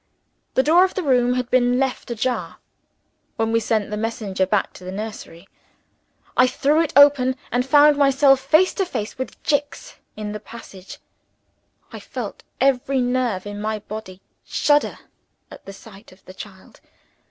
The door of the room had been left ajar, when we sent the messenger back to the nursery. I threw it open, and found myself face to face with Jicks in the passage. I felt every nerve in my body shudder at the sight of the child.